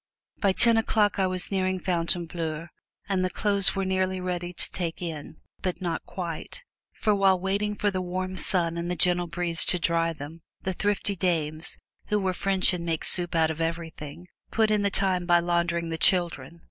By ten o'clock I was nearing Fontainebleau, and the clothes were nearly ready to take in but not quite. For while waiting for the warm sun and the gentle breeze to dry them, the thrifty dames, who were French and make soup out of everything, put in the time by laundering the children.